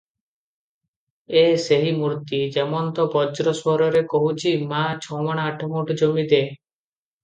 ଏ ସେହି ମୂର୍ତ୍ତି, ଯେମନ୍ତ ବଜ୍ର ସ୍ୱରରେ କହୁଛି, "ମୋ ଛମାଣ ଆଠଗୁଣ୍ଠ ଜମି ଦେ ।"